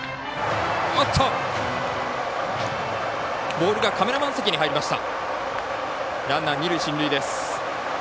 ボールがカメラマン席に入りました。